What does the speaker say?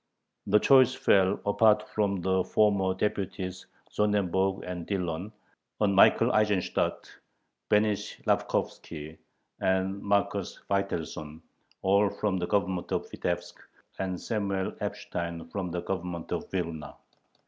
The choice fell, apart from the former deputies Sonnenberg and Dillon, on Michael Eisenstadt, Benish Lapkovski, and Marcus Veitelson, all from the Government of Vitebsk, and Samuel Epstein from the Government of Vilna.